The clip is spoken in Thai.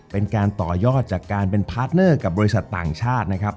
เป็นการต่อยอดจากการเป็นพาร์ทเนอร์กับบริษัทต่างชาตินะครับ